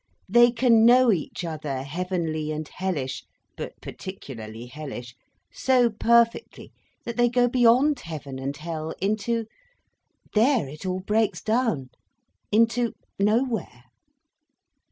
They can know each other, heavenly and hellish, but particularly hellish, so perfectly that they go beyond heaven and hell—into—there it all breaks down—into nowhere."